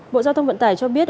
bộ giao thông vận tải cho biết